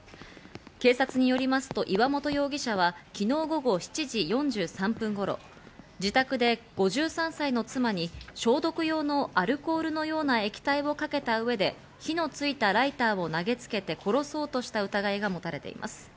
警察によりますと、岩本容疑者は昨日午後７時４３分頃、自宅で５３歳の妻に消毒用のアルコールのような液体をかけた上で火のついたライターを投げつけて殺そうとした疑いが持たれています。